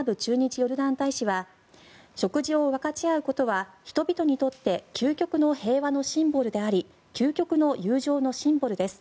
ヨルダン大使は食事を分かち合うことは人々にとって究極の平和のシンボルであり究極の友情のシンボルです。